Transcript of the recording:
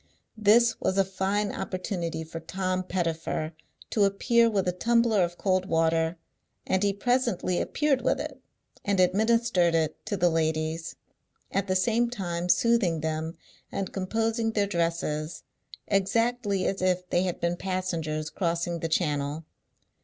This was a fine opportunity for Tom Pettifer to appear with a tumbler of cold water, and he presently appeared with it, and administered it to the ladies; at the same time soothing them, and composing their dresses, exactly as if they had been passengers crossing the Channel.